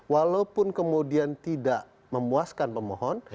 walaupun kemudian tidak memuaskan pemohon